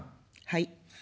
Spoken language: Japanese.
はい。